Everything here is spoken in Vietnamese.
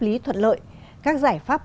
lý thuật lợi các giải pháp